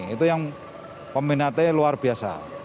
itu yang peminatnya luar biasa